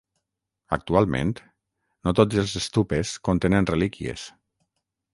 Actualment, no tots els stupes contenen relíquies.